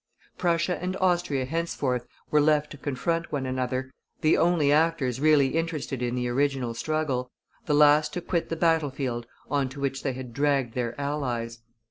Prussia and Austria henceforth were left to confront one another, the only actors really interested in the original struggle, the last to quit the battle field on to which they had dragged their allies.